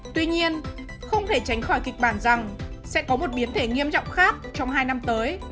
tuy nhiên không thể tránh khỏi kịch bản rằng sẽ có một biến thể nghiêm trọng khác trong hai năm tới